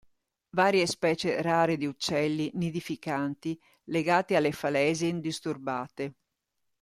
Varie specie rare di uccelli nidificanti legate alle falesie indisturbate.